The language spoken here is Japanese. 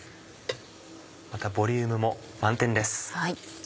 またボリュームも満点です。